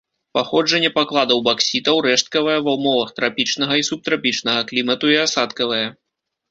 Паходжанне пакладаў баксітаў рэшткавае ва ўмовах трапічнага і субтрапічнага клімату і асадкавае.